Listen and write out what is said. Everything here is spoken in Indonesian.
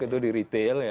kecubit ke tabok tabok ya